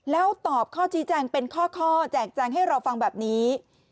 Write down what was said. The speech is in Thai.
แล้วตอบข้อชี้แจงเป็นข้อแจกแจงให้เราฟังแบบนี้